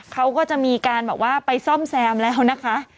เขาก็จะมีการไปซ่อมแซมแล้วนะคะ